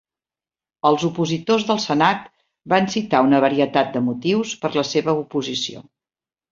Els opositors del Senat van citar una varietat de motius per a la seva oposició.